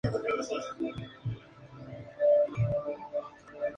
Tezcatlipoca sacrificó un pie al utilizarlo como cebo para atraerlo.